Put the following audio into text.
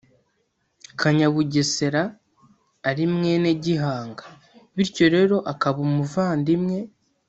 kanyabugesera, ari mwene gihanga; bityo rero akaba umuvandimwe